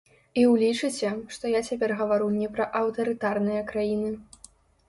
І ўлічыце, што я цяпер гавару не пра аўтарытарныя краіны.